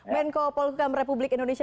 pak enko polkum republik indonesia